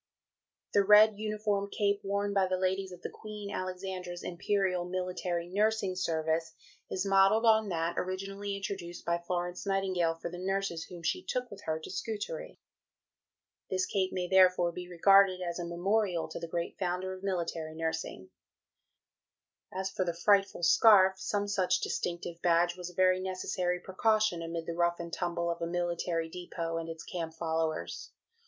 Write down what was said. "The red uniform cape worn by the ladies of the Queen Alexandra's Imperial Military Nursing Service is modelled on that originally introduced by Florence Nightingale for the nurses whom she took with her to Scutari. This cape may therefore be regarded as a memorial to the great founder of military nursing." As for the "frightful scarf" some such distinctive badge was a very necessary precaution amid the rough and tumble of a military depot and its camp followers.